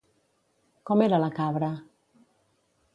Com era la cabra?